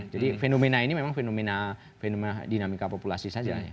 jadi fenomena ini memang fenomena dinamika populasi saja